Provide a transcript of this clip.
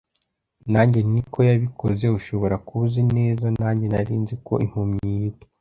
Nanjye nti: “Ko yabikoze, ushobora kuba uzi neza.” Nanjye nari nzi ko impumyi. Yitwa